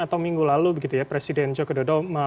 atau minggu lalu presiden jokododo